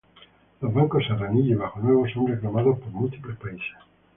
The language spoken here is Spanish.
Los bancos Serranilla y Bajo Nuevo son reclamados por múltiples países.